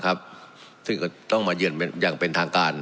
ซึ่งก็ต้องมาเยือนอย่างเป็นทางการ